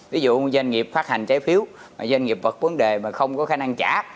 ví dụ doanh nghiệp phát hành trái phiếu doanh nghiệp vượt vấn đề mà không có khả năng trả